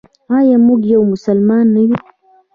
آیا موږ یو مسلمان نه یو؟